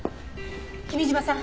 君嶋さん